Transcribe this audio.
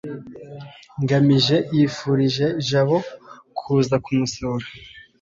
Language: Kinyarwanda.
ngamije yifurije jabo kuza kumusura